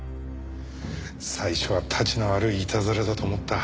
最初はたちの悪いいたずらだと思った。